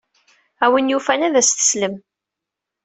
A win yufan ad as-teslem.